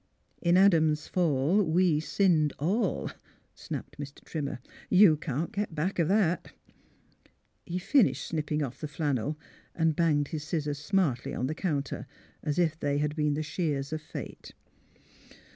'* In Adam's fall we sinned all," snapped Mr. Trimmer. " You can't get back of that." He finished snipping off the flannel and banged his scissors smartly on the counter, as if they had been the shears of fate.